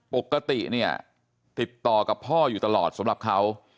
ปกติเนี่ยติดต่อกับพ่ออยู่ตลอดสำหรับเขา